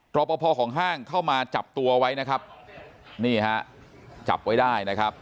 รอปภของห้างเข้ามาจับตัวไว้นะครับนี่ฮะจับไว้ได้นะครับ